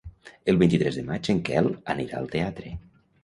El vint-i-tres de maig en Quel anirà al teatre.